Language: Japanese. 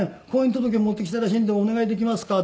婚姻届持ってきたらしいんでお願いできますか？」